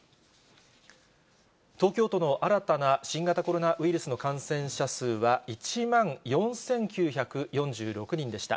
東京都の新たな新型コロナウイルスの感染者数は、１万４９４６人でした。